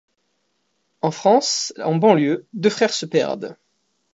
En France, en banlieue, deux frères se perdent.